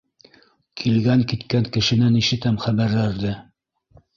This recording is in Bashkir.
Килгән-киткән кешенән ишетәм хәбәрҙәрҙе.